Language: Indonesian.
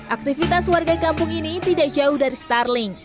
aktivitas warga kampung ini tidak jauh dari starling